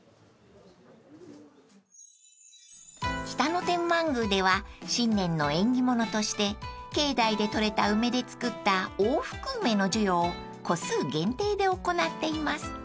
［北野天満宮では新年の縁起物として境内で採れた梅で作った大福梅の授与を個数限定で行っています］